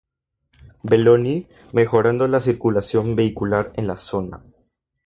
Belloni, mejorando la circulación vehicular en la zona.